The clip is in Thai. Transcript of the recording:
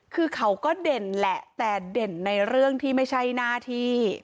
คือเขาก็เด่นแหละแต่เด่นในเรื่องที่ไม่ใช่หน้าที่